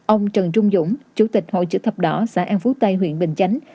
ông trần trung dũng chủ tịch hội chữ thập đỏ xã an phú tây huyện bình chánh